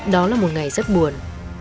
đó là một ngày rất buồn